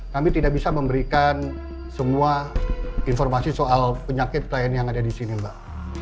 kami tidak bisa memberikan semua informasi soal penyakit lain yang ada disini mbak